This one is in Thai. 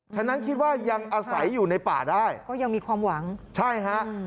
ฉะนั้นคิดว่ายังอาศัยอยู่ในป่าได้ก็ยังมีความหวังใช่ฮะ